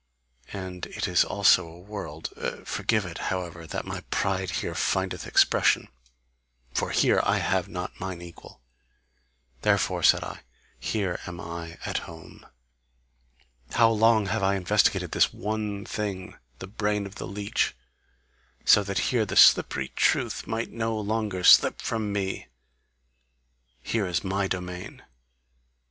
And it is also a world! Forgive it, however, that my pride here findeth expression, for here I have not mine equal. Therefore said I: 'here am I at home.' How long have I investigated this one thing, the brain of the leech, so that here the slippery truth might no longer slip from me! Here is MY domain!